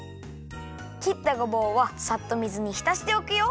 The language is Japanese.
きったごぼうはさっと水にひたしておくよ。